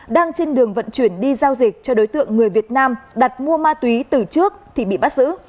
đang trên đường vận chuyển đi giao dịch cho đối tượng người việt nam đặt mua ma túy từ trước thì bị bắt giữ